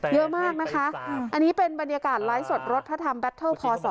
เยอะมากนะคะอันนี้เป็นบรรยากาศไลฟ์สดรถพระธรรมแบตเทิลพ๒